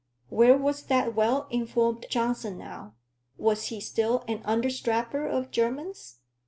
Where was that well informed Johnson now? Was he still an understrapper of Jermyn's?